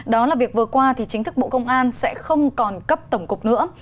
đó là việc vừa qua thì chính thức bộ công an sẽ không còn cấp tổng cục nữa